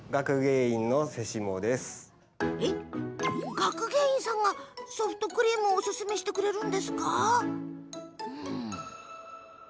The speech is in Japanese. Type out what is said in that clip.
学芸員さんがソフトクリームすすめてくれるん